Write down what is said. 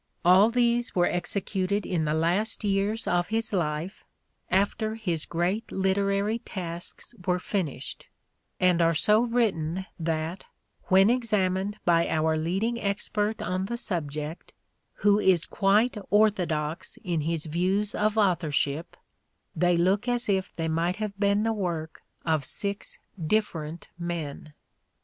All these were executed in the last years of his life, after his great literary tasks were finished ; and are so written that, when examined by our leading expert on the subject, who is quite orthodox in his views of authorship, they look as if they might have been the work of six different men.